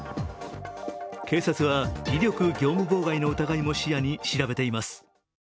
警察は威力業務妨害の疑いも視野に調べています。